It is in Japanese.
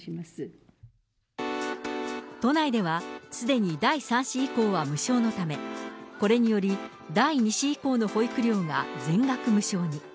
都内では、すでに第３子以降は無償のため、これにより、第２子以降の保育料が全額無償に。